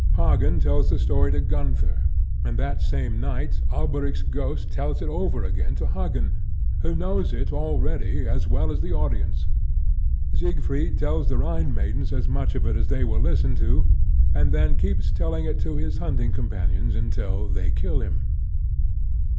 Hagen tells the story to Gunther; and that same night Alberic's ghost tells it over again to Hagen, who knows it already as well as the audience. Siegfried tells the Rhine maidens as much of it as they will listen to, and then keeps telling it to his hunting companions until they kill him.